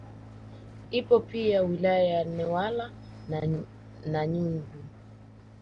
Ipo pia wilaya ya Newala na Nanyumbu